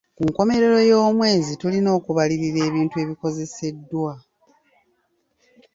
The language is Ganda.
Ku nkomerero y'omwezi tulina okubalirira ebintu ebikozeseddwa.